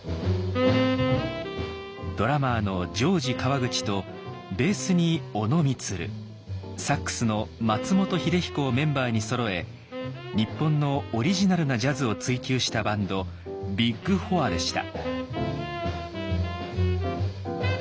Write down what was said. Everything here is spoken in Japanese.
ドラマーのジョージ川口とベースに小野満サックスの松本英彦をメンバーにそろえ日本のオリジナルなジャズを追求したバンド「ビッグ・フォア」でした。